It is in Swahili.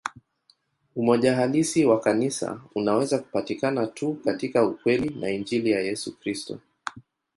Umoja halisi wa Kanisa unaweza kupatikana tu katika ukweli wa Injili ya Yesu Kristo.